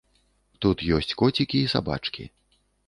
Тут ёсць коцікі і сабачкі.